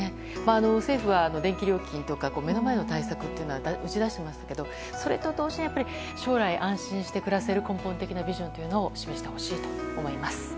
政府は電気料金など目の前の対策は打ち出していますがそれと同時に将来、安心して暮らせる根本的なビジョンを示してほしいと思います。